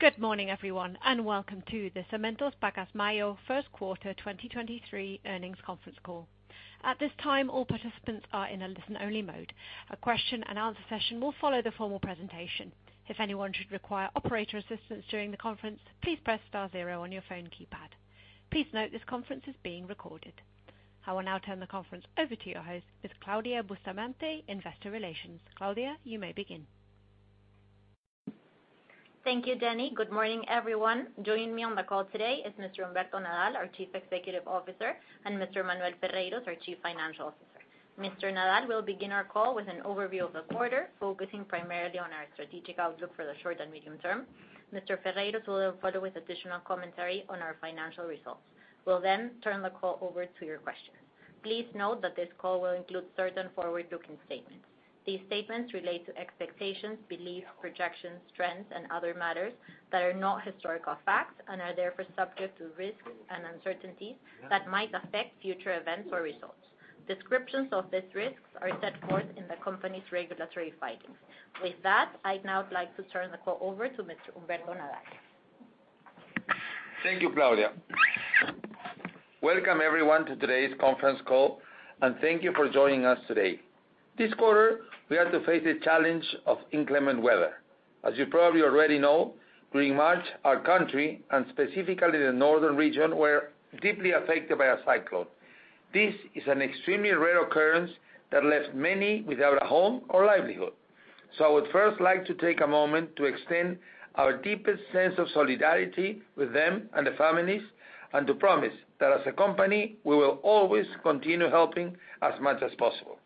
Good morning everyone, welcome to the Cementos Pacasmayo first quarter 2023 earnings conference call. At this time, all participants are in a listen-only mode. A question and answer session will follow the formal presentation. If anyone should require operator assistance during the conference, please press star zero on your phone keypad. Please note this conference is being recorded. I will now turn the conference over to your host, Ms. Claudia Bustamante, Investor Relations. Claudia, you may begin. Thank you, Jenny. Good morning everyone. Joining me on the call today is Mr. Humberto Nadal, our Chief Executive Officer, and Mr. Manuel Ferreyros, our Chief Financial Officer. Mr. Nadal will begin our call with an overview of the quarter, focusing primarily on our strategic outlook for the short and medium term. Mr. Ferreyros will follow with additional commentary on our financial results. We'll then turn the call over to your questions. Please note that this call will include certain forward-looking statements. These statements relate to expectations, beliefs, projections, trends, and other matters that are not historical facts and are therefore subject to risks and uncertainties that might affect future events or results. Descriptions of these risks are set forth in the company's regulatory filings. With that, I'd now like to turn the call over to Mr. Humberto Nadal. Thank you, Claudia. Welcome everyone to today's conference call, and thank you for joining us today. This quarter, we had to face the challenge of inclement weather. As you probably already know, during March, our country, and specifically the northern region, were deeply affected by a cyclone. This is an extremely rare occurrence that left many without a home or livelihood. I would first like to take a moment to extend our deepest sense of solidarity with them and their families, and to promise that as a company, we will always continue helping as much as possible.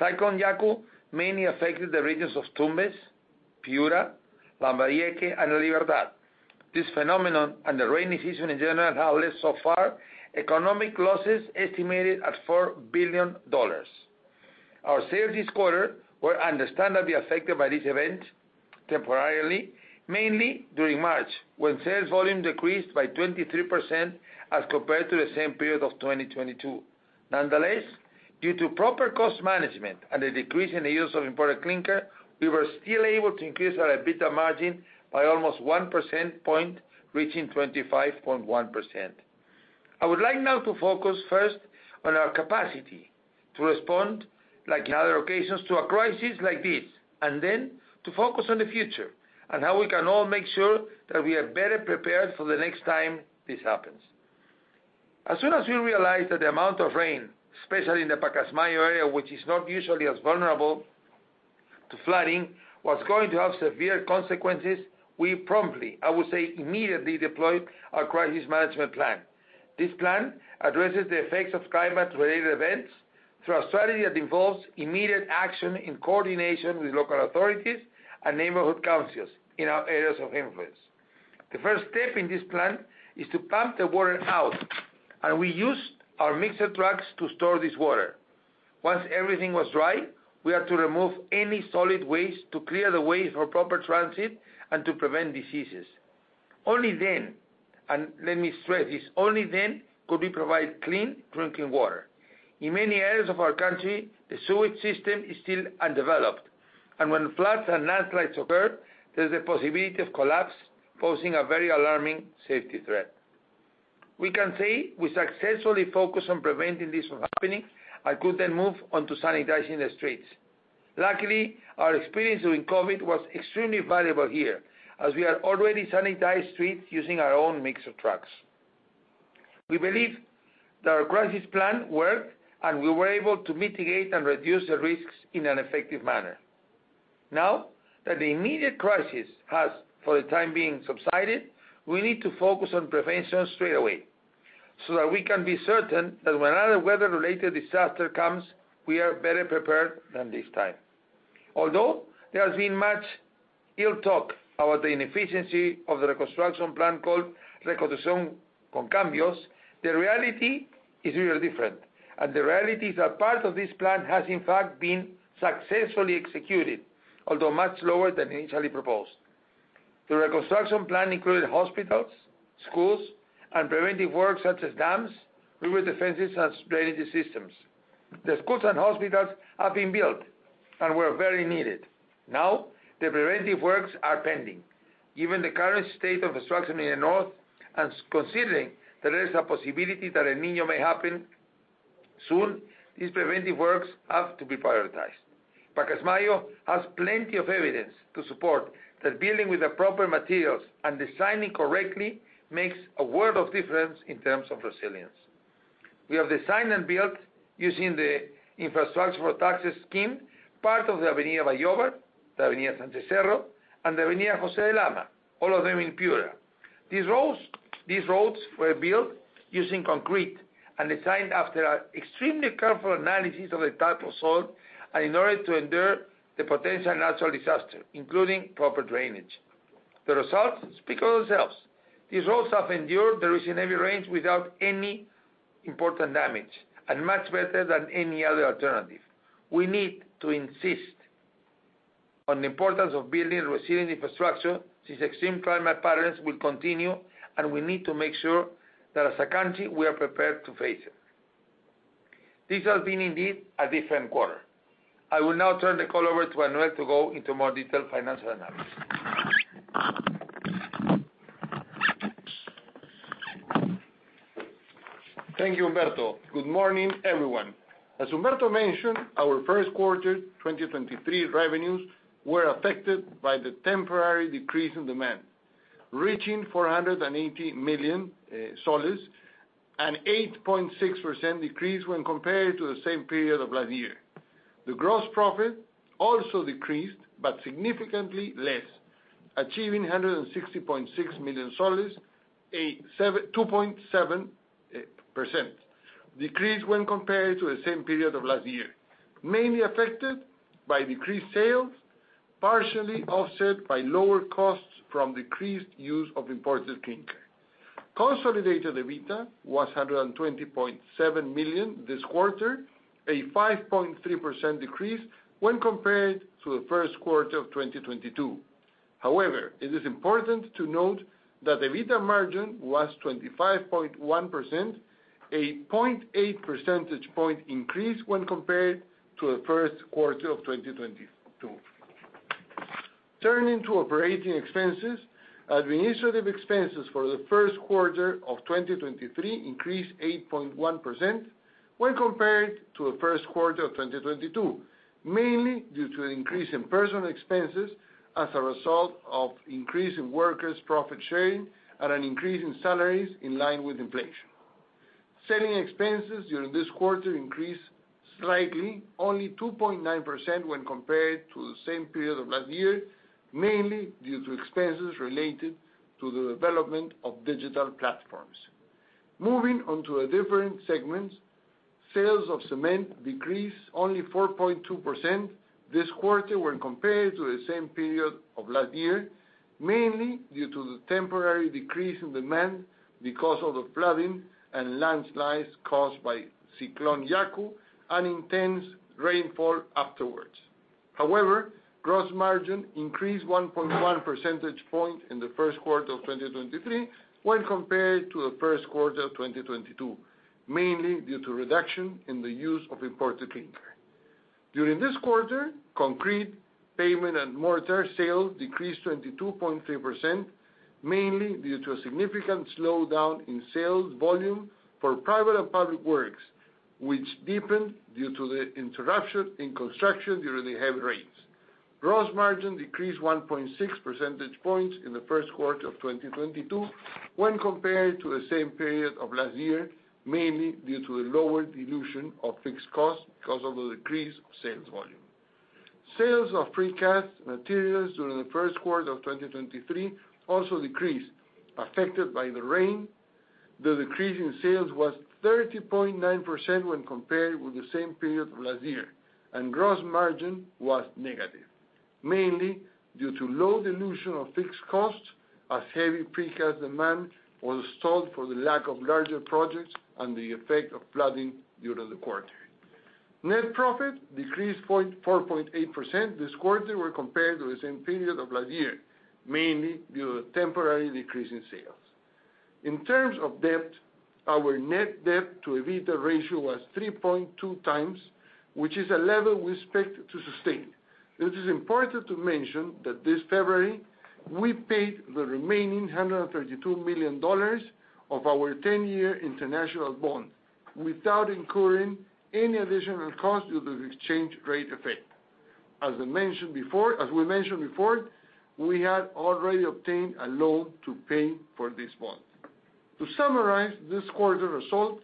Cyclone Yaku mainly affected the regions of Tumbes, Piura, Lambayeque, and La Libertad. This phenomenon, and the rainy season in general, have left so far economic losses estimated at $4 billion. Our sales this quarter were understandably affected by this event temporarily, mainly during March, when sales volume decreased by 23% as compared to the same period of 2022. Nonetheless, due to proper cost management and a decrease in the use of imported clinker, we were still able to increase our EBITDA margin by almost 1 percentage point, reaching 25.1%. I would like now to focus first on our capacity to respond, like in other occasions, to a crisis like this, and then to focus on the future and how we can all make sure that we are better prepared for the next time this happens. As soon as we realized that the amount of rain, especially in the Pacasmayo area, which is not usually as vulnerable to flooding, was going to have severe consequences, we promptly, I would say immediately, deployed our crisis management plan. This plan addresses the effects of climate-related events through a strategy that involves immediate action in coordination with local authorities and neighborhood councils in our areas of influence. The first step in this plan is to pump the water out, and we used our mixer trucks to store this water. Once everything was dry, we had to remove any solid waste to clear the way for proper transit and to prevent diseases. Only then, and let me stress this, only then could we provide clean drinking water. In many areas of our country, the sewage system is still undeveloped, and when floods and landslides occur, there's a possibility of collapse, posing a very alarming safety threat. We can say we successfully focused on preventing this from happening and could then move on to sanitizing the streets. Luckily, our experience during COVID was extremely valuable here, as we had already sanitized streets using our own mixer trucks. We believe that our crisis plan worked, and we were able to mitigate and reduce the risks in an effective manner. Now that the immediate crisis has, for the time being, subsided, we need to focus on prevention straight away so that we can be certain that when another weather-related disaster comes, we are better prepared than this time. Although there has been much ill talk about the inefficiency of the reconstruction plan called Reconstrucción con Cambios, the reality is really different, and the reality is that part of this plan has in fact been successfully executed, although much slower than initially proposed. The reconstruction plan included hospitals, schools, and preventive works such as dams, river defenses, and drainage systems. The schools and hospitals have been built and were very needed. Now, the preventive works are pending. Given the current state of infrastructure in the north and considering that there is a possibility that El Niño may happen soon, these preventive works have to be prioritized. Pacasmayo has plenty of evidence to support that building with the proper materials and designing correctly makes a world of difference in terms of resilience. We have designed and built, using the Works for Taxes scheme, part of the Avenida Bolognesi, the Avenida Sánchez Cerro, and the Avenida José Lama, all of them in Piura. These roads were built using concrete and designed after an extremely careful analysis of the type of soil and in order to endure the potential natural disaster, including proper drainage. The results speak for themselves. These roads have endured the recent heavy rains without any important damage and much better than any other alternative. We need to insist on the importance of building resilient infrastructure since extreme climate patterns will continue, and we need to make sure that as a country, we are prepared to face it. This has been indeed a different quarter. I will now turn the call over to Manuel to go into more detailed financial analysis. Thank you, Humberto. Good morning, everyone. As Humberto mentioned, our first quarter 2023 revenues were affected by the temporary decrease in demand, reaching PEN 480 million, an 8.6% decrease when compared to the same period of last year. The gross profit also decreased, but significantly less, achieving PEN 160.6 million, a 2.7% decrease when compared to the same period of last year, mainly affected by decreased sales, partially offset by lower costs from decreased use of imported clinker. Consolidated EBITDA was PEN 120.7 million this quarter, a 5.3% decrease when compared to the first quarter of 2022. However, it is important to note that the EBITDA margin was 25.1%, a 0.8 percentage point increase when compared to the first quarter of 2022. Turning to operating expenses, administrative expenses for the first quarter of 2023 increased 8.1% when compared to the first quarter of 2022, mainly due to an increase in personal expenses as a result of increase in workers' profit sharing and an increase in salaries in line with inflation. Selling expenses during this quarter increased slightly, only 2.9% when compared to the same period of last year, mainly due to expenses related to the development of digital platforms. Moving on to the different segments. Sales of cement decreased only 4.2% this quarter when compared to the same period of last year, mainly due to the temporary decrease in demand because of the flooding and landslides caused by Cyclone Yaku and intense rainfall afterwards. Gross margin increased 1.1 percentage point in the first quarter of 2023 when compared to the first quarter of 2022, mainly due to reduction in the use of imported clinker. During this quarter, concrete, pavement, and mortar sales decreased 22.3%, mainly due to a significant slowdown in sales volume for private and public works, which deepened due to the interruption in construction during the heavy rains. Gross margin decreased 1.6 percentage points in the first quarter of 2022 when compared to the same period of last year, mainly due to the lower dilution of fixed costs because of the decreased sales volume. Sales of precast materials during the first quarter of 2023 also decreased, affected by the rain. The decrease in sales was 30.9% when compared with the same period of last year. Gross margin was negative, mainly due to low dilution of fixed costs, as heavy precast demand was stalled for the lack of larger projects and the effect of flooding during the quarter. Net profit decreased 4.8% this quarter when compared to the same period of last year, mainly due to temporary decrease in sales. In terms of debt, our net debt to EBITDA ratio was 3.2x, which is a level we expect to sustain. It is important to mention that this February, we paid the remaining $132 million of our 10-year international bond without incurring any additional cost due to the exchange rate effect. As we mentioned before, we had already obtained a loan to pay for this bond. To summarize, this quarter results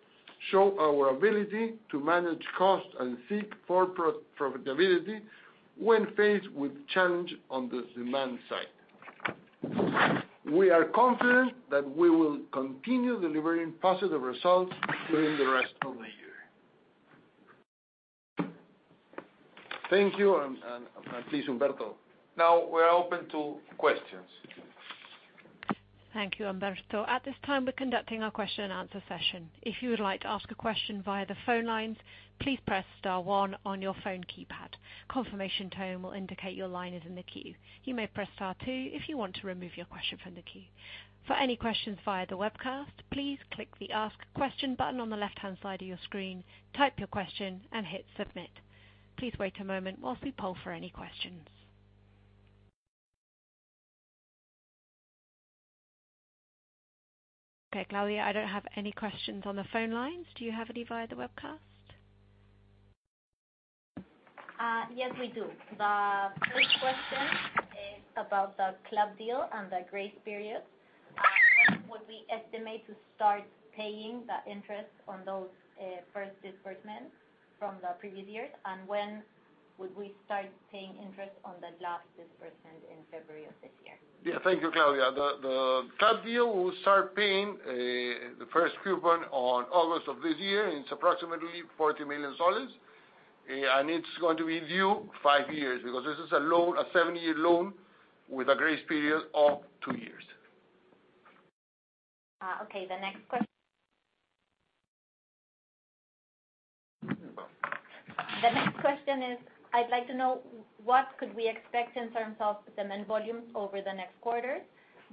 show our ability to manage costs and seek for pro-profitability when faced with challenge on the demand side. We are confident that we will continue delivering positive results during the rest of the year. Thank you. Please, Humberto. Now we are open to questions. Thank you, Humberto. At this time, we're conducting our question and answer session. If you would like to ask a question via the phone lines, please press star one on your phone keypad. Confirmation tone will indicate your line is in the queue. You may press star two if you want to remove your question from the queue. For any questions via the webcast, please click the Ask Question button on the left-hand side of your screen, type your question, and hit Submit. Please wait a moment whilst we poll for any questions. Okay, Claudia, I don't have any questions on the phone lines. Do you have any via the webcast? Yes, we do. The first question is about the club deal and the grace period. When would we estimate to start paying the interest on those first disbursements from the previous years? When would we start paying interest on the last disbursement in February of this year? Yeah. Thank you, Claudia. The club deal, we'll start paying the first coupon on August of this year, and it's approximately PEN 40 million. It's going to be due 5 years, because this is a loan, a seven year loan with a grace period of two years. Okay. The next question is: I'd like to know what could we expect in terms of cement volumes over the next quarters,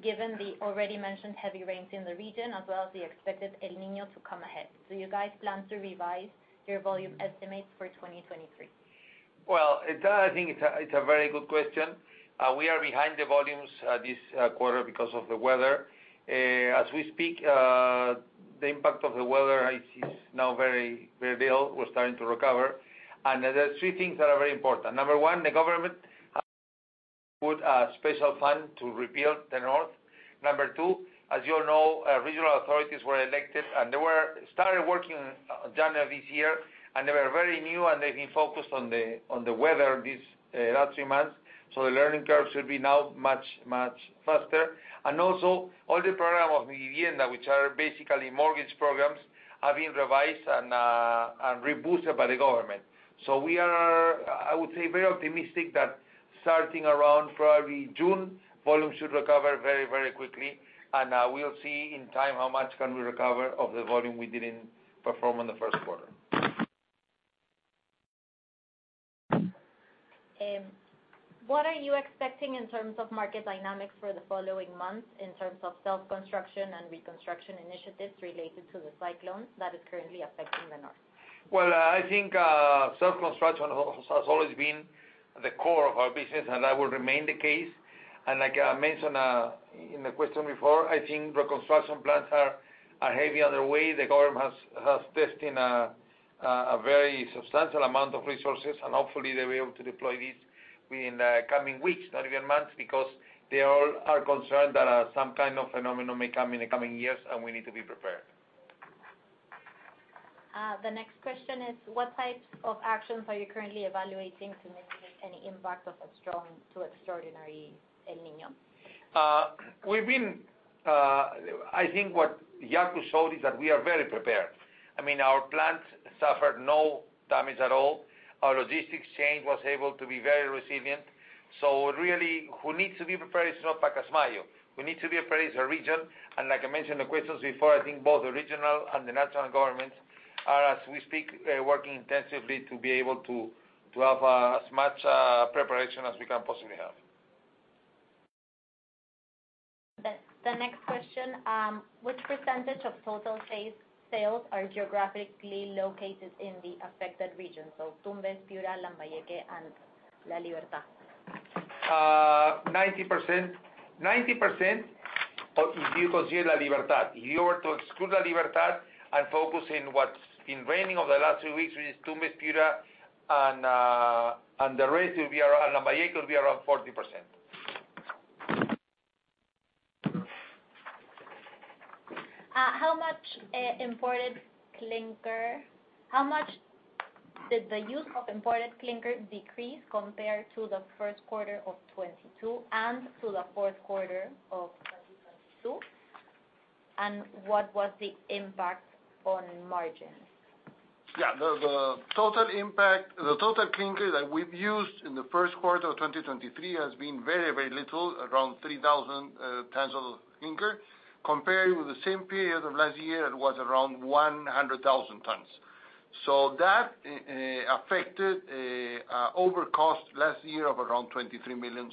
given the already mentioned heavy rains in the region, as well as the expected El Niño to come ahead. Do you guys plan to revise your volume estimates for 2023? Well, I think it's a very good question. We are behind the volumes this quarter because of the weather. As we speak, the impact of the weather is now very, very little. We're starting to recover. There are 3 things that are very important. Number one, the government put a special fund to rebuild the north. Number two, as you all know, regional authorities were elected, and they were started working January of this year. They were very new, and they've been focused on the weather this last 3 months. The learning curve should be now much, much faster. Also, all the programs of Mi Vivienda, which are basically mortgage programs, have been revised and reboosted by the government. We are, I would say, very optimistic that starting around probably June, volumes should recover very, very quickly. We'll see in time how much can we recover of the volume we didn't perform in the first quarter. What are you expecting in terms of market dynamics for the following months in terms of self-construction and reconstruction initiatives related to the Cyclone that is currently affecting the north? Well, I think self-construction has always been the core of our business, and that will remain the case. Like I mentioned, in the question before, I think reconstruction plans are heavy on the way. The government has tested a very substantial amount of resources, hopefully they'll be able to deploy this within the coming weeks, not even months, because they all are concerned that some kind of phenomenon may come in the coming years, we need to be prepared. The next question is: What types of actions are you currently evaluating to mitigate any impact of a strong to extraordinary El Niño? I think what Yaku showed is that we are very prepared. I mean, our plants suffered no damage at all. Our logistics chain was able to be very resilient. Really who needs to be prepared is not Pacasmayo. Who needs to be prepared is the region. Like I mentioned in the questions before, I think both the regional and the national governments are, as we speak, working intensively to be able to have, as much, preparation as we can possibly have. The next question: Which % of total sales are geographically located in the affected regions of Tumbes, Piura, Lambayeque, and La Libertad? 90%. 90% of, if you consider La Libertad. If you were to exclude La Libertad and focus in what's been raining over the last three weeks, which is Tumbes, Piura, and the rest will be around, and Lambayeque, will be around 40%. How much did the use of imported clinker decrease compared to the first quarter of 2022 and to the fourth quarter of 2022? What was the impact on margins? Yeah. The total impact, the total clinker that we've used in the first quarter of 2023 has been very, very little, around 3,000 tons of clinker. Compared with the same period of last year, it was around 100,000 tons. That affected over cost last year of around PEN 23 million.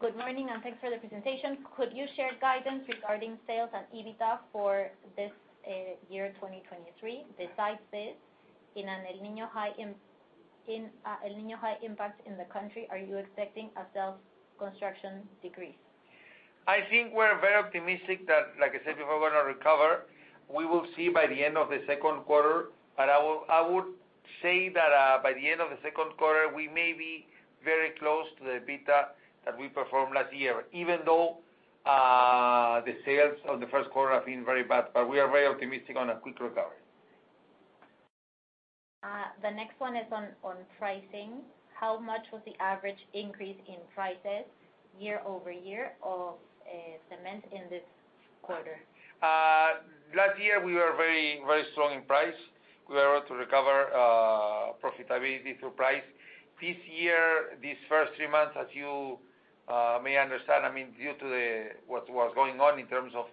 Good morning, Thanks for the presentation. Could you share guidance regarding sales and EBITDA for this year, 2023? Besides this, in an El Niño high impact in the country, are you expecting a sales construction decrease? I think we're very optimistic that, like I said before, we're gonna recover. We will see by the end of the second quarter. I would say that, by the end of the second quarter, we may be very close to the EBITDA that we performed last year. Even though, the sales of the first quarter have been very bad, we are very optimistic on a quick recovery. The next one is on pricing. How much was the average increase in prices year-over-year of cement in this quarter? last year we were very, very strong in price. We were able to recover profitability through price. This year, these first 3 months, as you may understand, I mean, due to what was going on in terms of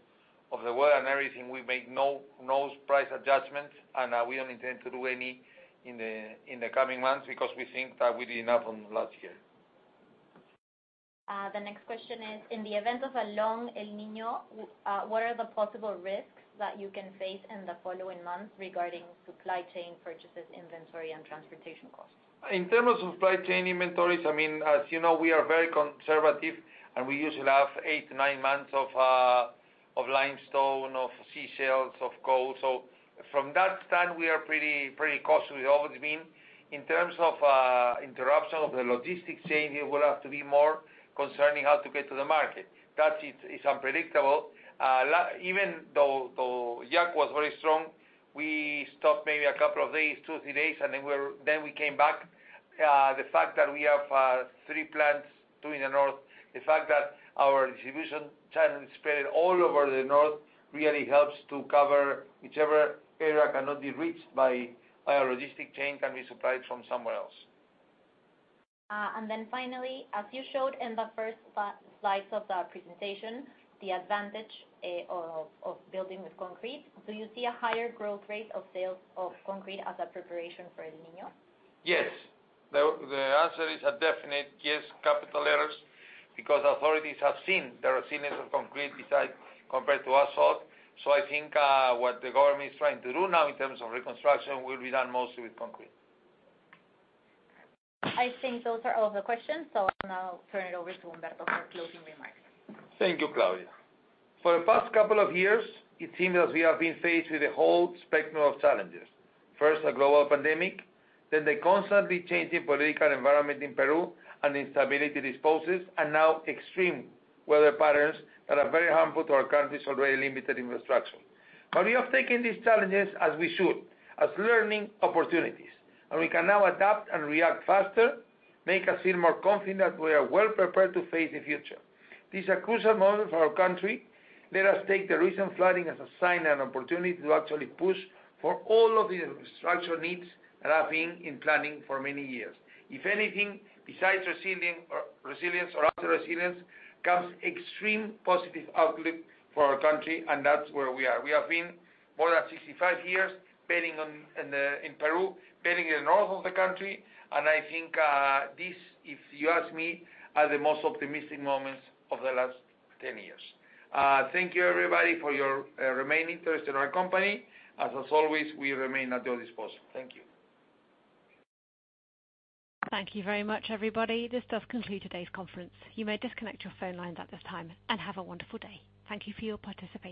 the weather and everything, we made no price adjustments. We don't intend to do any in the coming months because we think that we did enough on last year. The next question is: In the event of a long El Niño, what are the possible risks that you can face in the following months regarding supply chain purchases, inventory, and transportation costs? In terms of supply chain inventories, I mean, as you know, we are very conservative, and we usually have eight to nine months of limestone, of seashells, of coal. From that stand, we are pretty cost, we've always been. In terms of interruption of the logistics chain, it will have to be more concerning how to get to the market. That is unpredictable. Even though Yaku was very strong, we stopped maybe a couple of days, two, three days, and then we came back. The fact that we have 3 plants, 2 in the north, the fact that our distribution channels spread all over the north really helps to cover whichever area cannot be reached by our logistic chain can be supplied from somewhere else. finally, as you showed in the first slides of the presentation, the advantage of building with concrete, do you see a higher growth rate of sales of concrete as a preparation for El Niño? Yes. The answer is a definite yes, capital letters, because authorities have seen the resilience of concrete besides compared to asphalt. I think, what the government is trying to do now in terms of reconstruction will be done mostly with concrete. I think those are all the questions, so now I'll turn it over to Humberto for closing remarks. Thank you, Claudia. For the past couple of years, it seems as we have been faced with a whole spectrum of challenges. First, a global pandemic, then the constantly changing political environment in Peru and the instability this poses, and now extreme weather patterns that are very harmful to our country's already limited infrastructure. We have taken these challenges as we should, as learning opportunities, and we can now adapt and react faster, make us feel more confident we are well prepared to face the future. These are crucial moments for our country. Let us take the recent flooding as a sign and opportunity to actually push for all of the infrastructure needs that have been in planning for many years. If anything, besides resilient or, resilience or after resilience, comes extreme positive outlook for our country, and that's where we are. We have been more than 65 years betting in Peru, betting in the north of the country. I think, this, if you ask me, are the most optimistic moments of the last 10 years. Thank you, everybody, for your remaining interest in our company. As always, we remain at your disposal. Thank you. Thank you very much, everybody. This does conclude today's conference. You may disconnect your phone lines at this time, and have a wonderful day. Thank you for your participation.